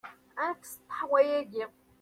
Ad nekkes ṭeḥwa-agi?